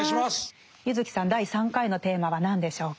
柚木さん第３回のテーマは何でしょうか。